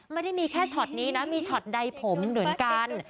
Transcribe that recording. ไม่ได้มีแค่ช็อตนี้นะมีช็อตใดผมเหมือนกัน